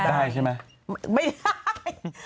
ได้ใช่ไหมไม่ได้